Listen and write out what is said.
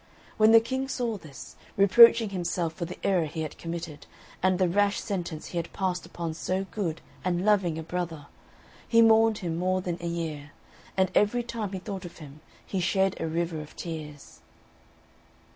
When the King saw this, reproaching himself for the error he had committed, and the rash sentence he had passed upon so good and loving a brother, he mourned him more than a year, and every time he thought of him he shed a river of tears.